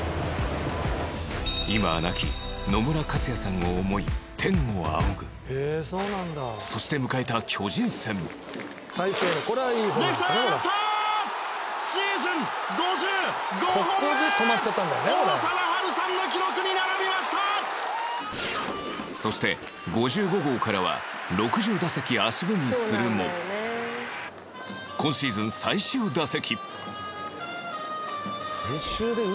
今は亡き、野村克也さんを思い天を仰ぐそして迎えた、巨人戦そして、５５号からは６０打席、足踏みするも今シーズン最終打席